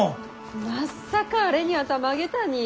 まっさかあれにはたまげたにい。